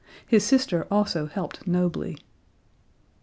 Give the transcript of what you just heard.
His sister also helped nobly.)